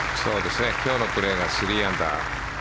今日のプレーが３アンダー。